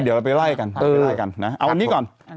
เดี๋ยวไปไล่กันเอาอันนี้ก่อน